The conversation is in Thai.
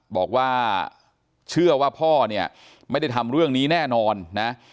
บอกว่าเชื่อว่าพ่อเนี่ยไม่ได้ทำเรื่องนี้แน่นอนนะ